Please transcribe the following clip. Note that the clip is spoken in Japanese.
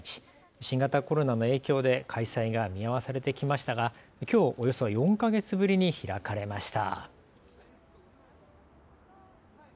新型コロナの影響で開催が見合わされてきましたがきょう、およそ４か月ぶりに開かれました。